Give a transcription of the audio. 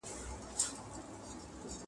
ځو به چي د شمعي پر لار تلل زده کړو .